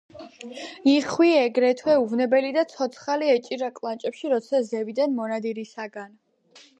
იხვი ეგრევე უვნებელი და ცოცხალი ეჭირა კლანჭებში, როცა ზევიდან მონადირისაგან